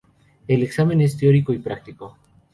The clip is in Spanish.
El examen es teórico y práctico.